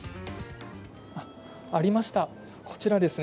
ありました、こちらですね